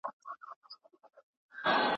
فردي حقونه د هر انسان بنسټیزه اړتیا ده.